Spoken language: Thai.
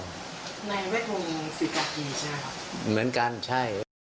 ไว้ทกฐมศิกายีใช่ไหมครับเหมือนกันใช่